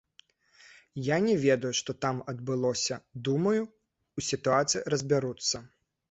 Я не ведаю, што там адбылося, думаю, у сітуацыі разбяруцца.